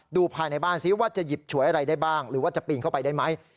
ดูภายในบ้านซิว่าจะหยิบฉวยอะไรได้บ้างหรือว่าจะปีนเข้าไปได้ไหม